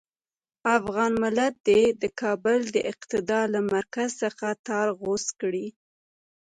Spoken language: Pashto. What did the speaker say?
افغان ملت دې د کابل د اقتدار له مرکز څخه تار غوڅ کړي.